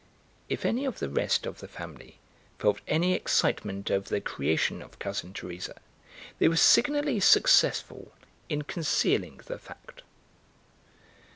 If any of the rest of the family felt any excitement over the creation of Cousin Teresa, they were signally successful in concealing the fact.